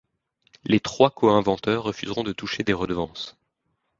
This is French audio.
Les trois co-inventeurs refuseront de toucher des redevances.